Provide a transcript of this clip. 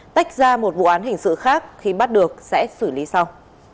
tách ra một vụ án hình sự khác khi bắt được sẽ xử lý sau